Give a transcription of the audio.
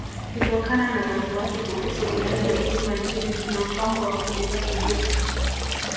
Kutokana na wasiwasi kuhusu idadi ya simba nchini kuna mpango wa kulipa fidia